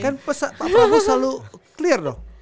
kan pak prabowo selalu clear dong